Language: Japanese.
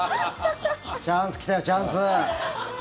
チャンス来たよ、チャンス。